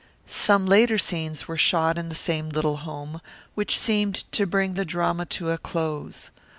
Some later scenes were shot in the same little home, which seemed to bring the drama to a close.